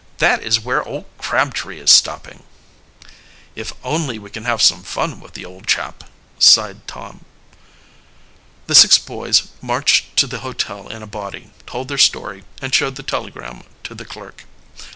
"That is where old Crabtree is stopping." "If only we can have some fun with the old chap!" sighed Tom. The six boys marched to the hotel in a body, told their story, and showed the telegram to the clerk.